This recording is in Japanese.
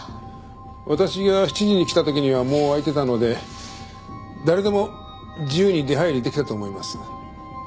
私が７時に来たときにはもう開いてたので誰でも自由に出はいりできたと思います。